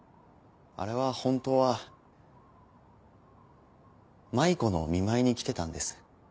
あれは本当は麻衣子の見舞いに来てたんです。